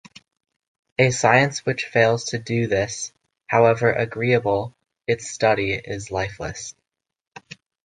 A science which fails to do this, however agreeable its study, is lifeless.